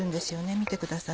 見てください